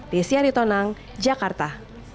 desyari tonang jakarta